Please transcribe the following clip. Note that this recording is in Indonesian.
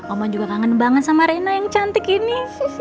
omang juga kangen banget sama rena yang cantik ini